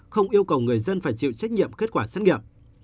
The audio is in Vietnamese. không yêu cầu người dân phải chịu trách nhiệm kết quả xét nghiệm